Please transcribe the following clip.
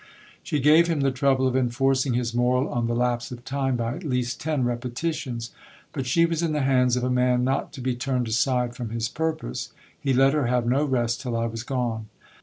She gave him the trouble of enforcing his moral on the lapse of time by at least ten repetitions. But she was in the hands of a man not to be turned aside from his purpose, he let her have no rest till I was gone.